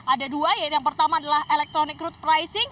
ada dua yang pertama adalah electronic route pricing